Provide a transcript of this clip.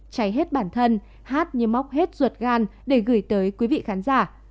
cháy hết bản thân hát như móc hết ruột gan để gửi tới quý vị khán giả